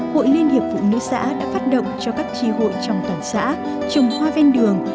hội liên hiệp phụ nữ xã đã phát động cho các tri hội trong toàn xã trồng hoa ven đường